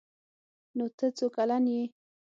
_نوته څو کلن يې؟